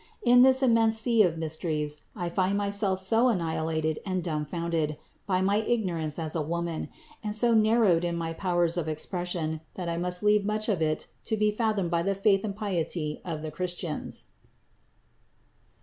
In this immense sea of mysteries I find myself so annihilated and dumbfounded by my ignorance as a woman, and so narrowed in my powers of expression, that I must leave much of it to be fathomed by the faith and piety of the Christians.